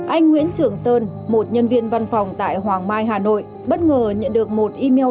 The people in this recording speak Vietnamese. anh nguyễn trường sơn một nhân viên văn phòng tại hoàng mai hà nội bất ngờ nhận được một email